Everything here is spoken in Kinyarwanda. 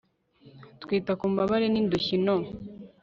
kwita ku mbabare n'indushyi no